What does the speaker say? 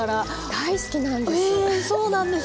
大好きなんです！